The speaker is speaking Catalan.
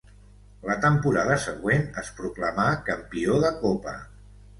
La temporada següent es proclamà campió de copa.